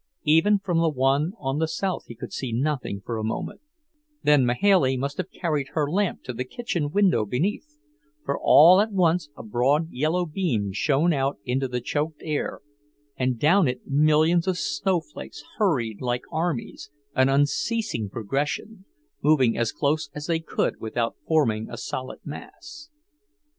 Even from the one on the south he could see nothing for a moment; then Mahailey must have carried her lamp to the kitchen window beneath, for all at once a broad yellow beam shone out into the choked air, and down it millions of snowflakes hurried like armies, an unceasing progression, moving as close as they could without forming a solid mass.